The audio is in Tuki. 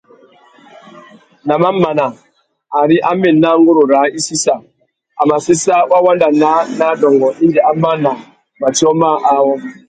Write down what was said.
Nà mamana, ari a mà ena nguru râā i sissa, a mà séssa wa wanda naā nà adôngô indi a mana matiō mâā awô.